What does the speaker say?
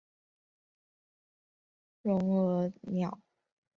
绒额䴓为䴓科䴓属的鸟类。